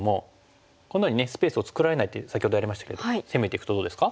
このようにスペースを作られないって先ほどやりましたけど攻めていくとどうですか？